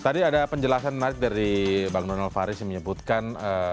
tadi ada penjelasan menarik dari bang donald faris yang menyebutkan